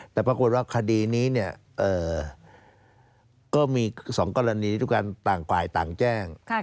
แต่ปรากฏว่าคดีนี้เนี่ยก็มีสองกรณีทุกครั้งต่างกว่ายต่างแจ้ง